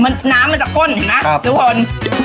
น้ำมันจะข้นนะทุกคน